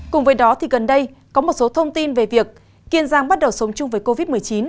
cùng với đó thì gần đây có một số thông tin về việc kiên giang bắt đầu sống chung với covid một mươi chín